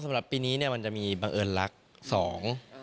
สำหรับปีนี้เนี่ยมันจะมีบังเอิญลักษณ์สอง